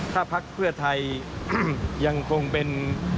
ถ้าพักเพื่อไทยยังคงเป็น